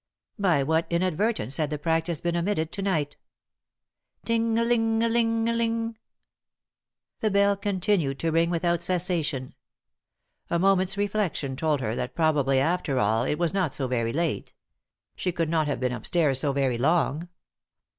By what inadvertence had the practice been omitted to night ? Ting ling hng ling 1 The bell continued to ring without cessation. A moment's reflection told her that probably after all it was not so very late. She could not have been upstairs so very long.